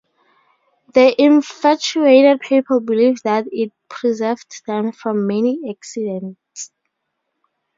The infatuated people believed that it preserved them from many accidents.